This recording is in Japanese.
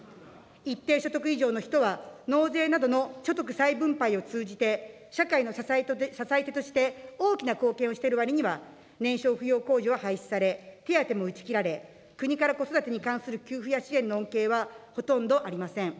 一定所得以上の人は、納税などの所得再分配を通じて社会の支え手として、大きな貢献をしているわりには、年少扶養控除は廃止され、手当も打ち切られ、国から子育てに関する給付や支援の恩恵はほとんどありません。